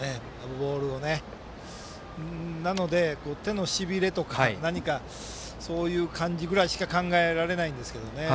ボールをねなので、手のしびれとか何か、そういう感じぐらいしか考えられないですけどね。